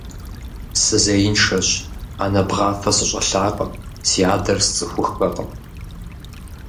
Сызеиншэщ, анэ бгъафэ сыщӀэлъакъым, си адэр сцӀыхуххэкъым.